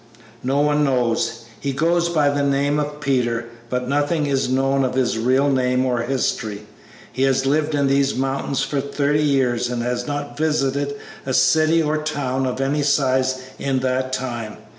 "No one knows. He goes by the name of 'Peter,' but nothing is known of his real name or history. He has lived in these mountains for thirty years and has not visited a city or town of any size in that time.